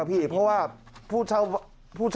อาทิตย์๒๕อาทิตย์